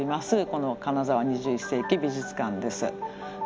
この金沢２１世紀美術館です。